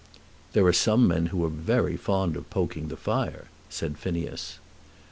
"There are some men who are very fond of poking the fire," said Phineas.